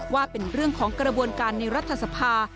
ว่าเป็นเรื่องของกระบวนการในรัฐสภา